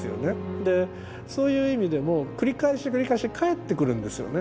でそういう意味でも繰り返し繰り返し帰ってくるんですよね。